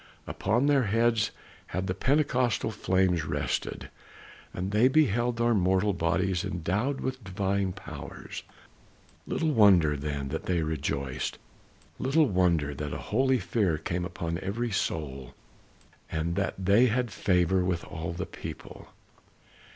Upon their heads had the pentecostal flames rested, and they beheld their mortal bodies endowed with divine powers. Little wonder then that they rejoiced, little wonder that a holy fear came upon every soul and that they had favor with all the people.